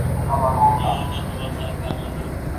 که زده کوونکي په خپلو کي املا اصلاح کړي.